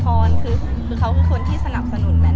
แม็กซ์ก็คือหนักที่สุดในชีวิตเลยจริง